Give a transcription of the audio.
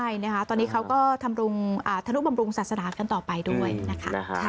ใช่นะคะตอนนี้เขาก็ทำธนุบำรุงศาสนากันต่อไปด้วยนะคะ